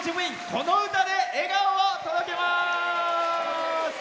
この歌で笑顔を届けます。